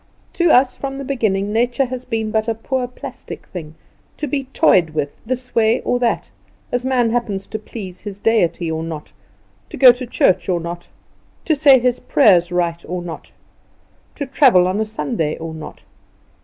To us, from the beginning, nature has been but a poor plastic thing, to be toyed with this way or that, as man happens to please his deity or not; to go to church or not; to say his prayers right or not; to travel on a Sunday or not.